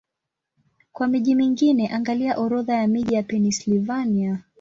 Kwa miji mingine, angalia Orodha ya miji ya Pennsylvania.